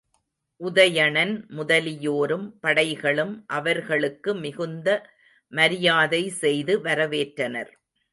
உதயணன் முதலியோரும் படைகளும் அவர்களுக்கு மிகுந்த மரியாதை செய்து வரவேற்றனர்.